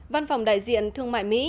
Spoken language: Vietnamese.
văn phòng đại diện thương mại mỹ